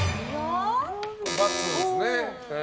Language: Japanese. ×ですね。